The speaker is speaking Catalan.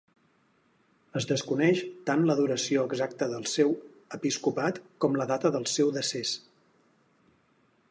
Es desconeix tant la duració exacta del seu episcopat com la data del seu decés.